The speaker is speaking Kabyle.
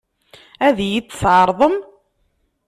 Ad iyi-t-tɛeṛḍem?